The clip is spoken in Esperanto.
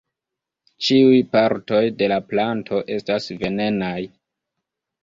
Ĉiuj partoj de la planto estas venenaj.